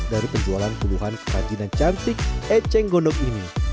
dari penjualan puluhan kerajinan cantik eceng gondok ini